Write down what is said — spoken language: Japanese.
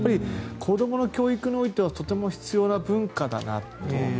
子供の教育においてはとても必要な文化だなと。